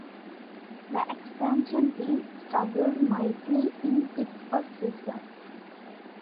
The expansion team struggled mightily in its first season.